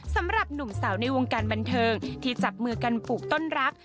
สำหรับหนุ่มสาวในวงการบันเทิงที่จับมือกันปลูกต้นรัก